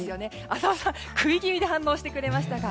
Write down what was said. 浅尾さん、食い気味で反応してくれましたが。